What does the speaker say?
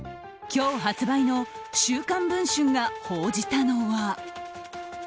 今日発売の「週刊文春」が報じたのは。